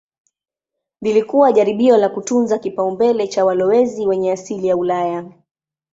Lilikuwa jaribio la kutunza kipaumbele cha walowezi wenye asili ya Ulaya.